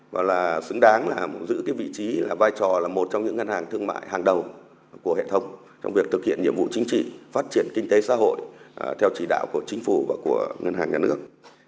bidv là một trong những ngân hàng thương mại hàng đầu của hệ thống trong việc thực hiện nhiệm vụ chính trị phát triển kinh tế xã hội theo chỉ đạo của chính phủ và của ngân hàng nhà nước